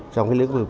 trong cái lĩnh vực về